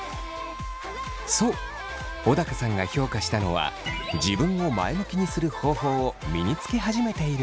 そう小高さんが評価したのは「自分を前向きにする」方法を身につけ始めていることでした。